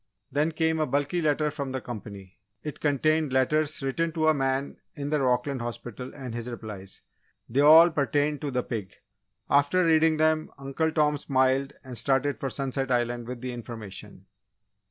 Then came a bulky letter from the company. It contained letters written to a man in the Rockland hospital and his replies. They all pertained to the pig. After reading them, Uncle Tom smiled and started for Sunset Island with the information.